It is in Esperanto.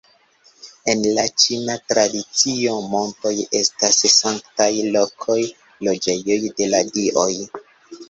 En la ĉina tradicio, montoj estas sanktaj lokoj, loĝejoj de la dioj.